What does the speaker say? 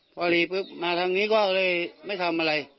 พอดีปุ๊บมาทางนี้ก็เลยไม่ทำอะไร